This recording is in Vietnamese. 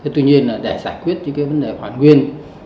tuy nhiên để giải quyết vấn đề hoàn nguyên